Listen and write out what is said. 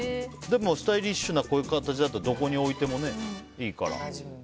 でも、スタイリッシュなこういう形だとどこに置いてもいいからね。